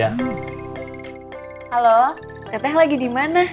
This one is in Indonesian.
halo teteh lagi dimana